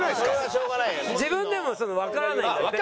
自分でもわからないんだって。